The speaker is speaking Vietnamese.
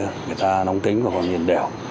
người ta nóng tính và còn nhìn đẻo